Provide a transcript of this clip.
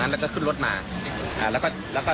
เพื่อไม่ให้เกิดปัญหาในเรื่องการจอดรถในบริเวณงาน